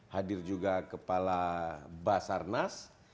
hadir juga kepala basarnas